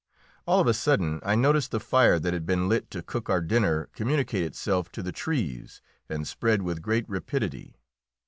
All of a sudden I noticed the fire that had been lit to cook our dinner communicate itself to the trees and spread with great rapidity.